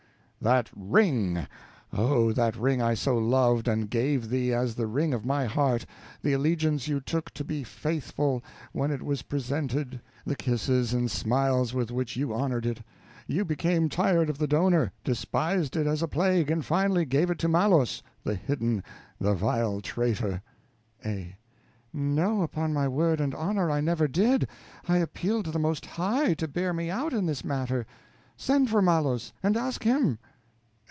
That ring, oh, that ring I so loved, and gave thee as the ring of my heart; the allegiance you took to be faithful, when it was presented; the kisses and smiles with which you honored it. You became tired of the donor, despised it as a plague, and finally gave it to Malos, the hidden, the vile traitor. A. No, upon my word and honor, I never did; I appeal to the Most High to bear me out in this matter. Send for Malos, and ask him.